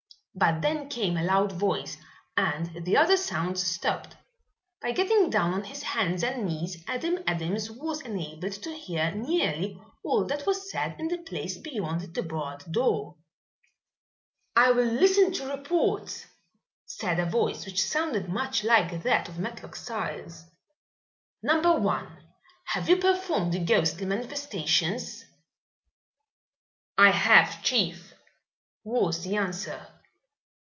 But then came a loud voice and the other sounds stopped. By getting down on his hands and knees Adam Adams was enabled to hear nearly all that was said in the place beyond the barred door. "I will listen to reports," said a voice which sounded much like that of Matlock Styles. "Number One, have you performed the ghostly manifestations?" "I have, chief," was the answer.